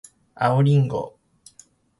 青りんご